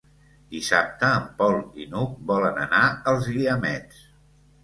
Dissabte en Pol i n'Hug volen anar als Guiamets.